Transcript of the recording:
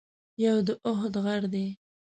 یو د اُحد غر دی.